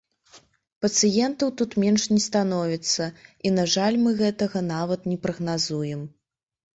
Пацыентаў тут менш не становіцца, і, на жаль, мы гэтага нават не прагназуем.